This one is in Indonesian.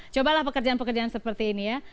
cobalah pekerjaan pekerjaan seperti ini ya